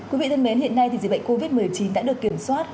quý vị thân mến hiện nay thì dịch bệnh covid một mươi chín đã được kiểm soát